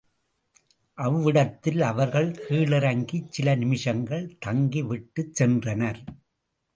அவ்விடத்தில் அவர்கள் கீழிறங்கிச் சில நிமிஷங்கள் தங்கி விட்டுச் சென்றனர்.